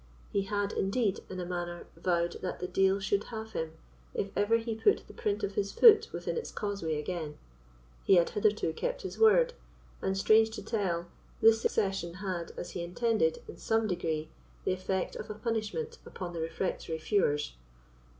He had, indeed, in a manner vowed that the deil should have him, if ever he put the print of his foot within its causeway again. He had hitherto kept his word; and, strange to tell, this secession had, as he intended, in some degree, the effect of a punishment upon the refractory feuars.